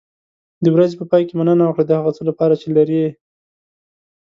د ورځې په پای کې مننه وکړه د هغه څه لپاره چې لرې.